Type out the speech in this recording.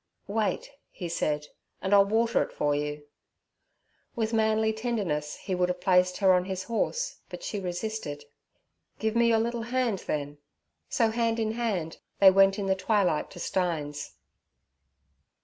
'Wait' he said, 'and I'll water it for you.' With manly tenderness he would have placed her on his horse, but she resisted. 'Give me your little hand, then.' So hand in hand they went in the twilight to Stein's.